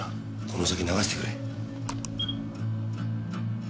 この先流してくれ。